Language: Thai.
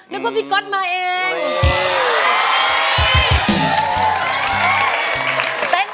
นึกว่าพี่ก๊อตมาเอง